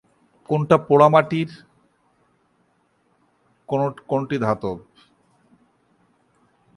কোনটা পোড়ামাটির, কোনটি ধাতব।